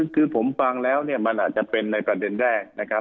คือผมฟังแล้วเนี่ยมันอาจจะเป็นในประเด็นแรกนะครับ